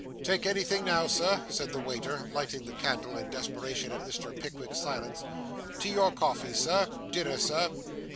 'Take anything now, Sir?' said the waiter, lighting the candle in desperation at Mr. Pickwick's silence. 'Tea or coffee, Sir? Dinner, sir?